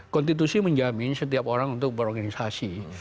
konstitusi menjamin setiap orang untuk berorganisasi